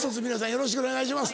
よろしくお願いします。